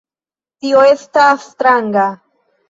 Tio estas stranga.